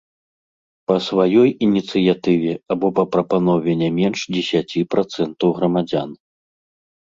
Па сваёй ініцыятыве або па прапанове не менш дзесяці працэнтаў грамадзян.